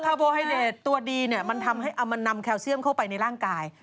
คาร์โบไฮเดรตตัวดีเนี่ยมันนำแคลเซียมเข้าไปในร่างกาย